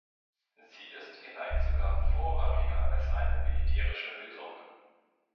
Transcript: Sie ist vielleicht sogar vorrangiger als eine militärische Lösung.